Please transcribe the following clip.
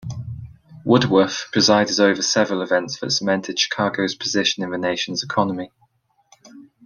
Woodworth presided over several events that cemented Chicago's position in the nation's economy.